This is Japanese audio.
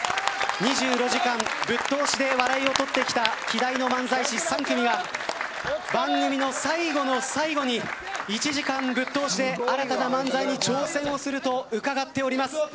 ２５時間ぶっ通しで笑いをとってきた稀代の漫才師３組が番組の最後の最後に１時間ぶっ通しで新たな漫才に挑戦をすると伺っております。